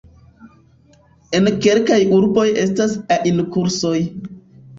En kelkaj urboj estas ainu-kursoj.